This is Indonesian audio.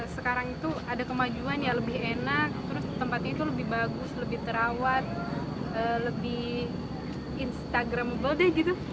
sekarang itu ada kemajuan yang lebih enak tempat itu lebih bagus lebih terawat lebih instagramable